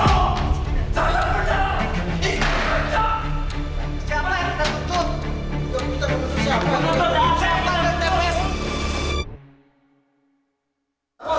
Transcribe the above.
yang bohong jangan berjalan